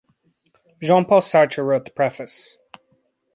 Jean-Paul Sartre wrote the preface.